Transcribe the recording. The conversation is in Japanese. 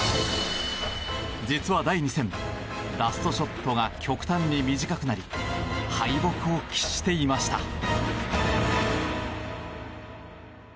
実は、第２戦ラストショットが極端に短くなり敗北を喫していました。